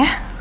ya ini dia